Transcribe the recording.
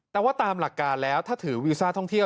แต่ว่าตามหลักการแล้วถ้าถือวีซ่าท่องเที่ยว